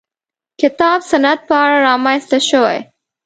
کتاب سنت په اړه رامنځته شوې.